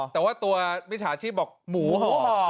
แต่ว่าตัววิชาชีพบอกหมูห่อ